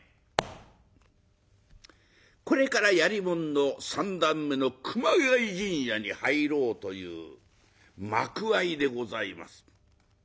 これからやりものの三段目の「熊谷陣屋」に入ろうという幕間でございます。